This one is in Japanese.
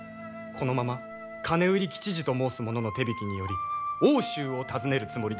このまま金売り吉次と申す者の手引きにより奥州を訪ねるつもりでございます。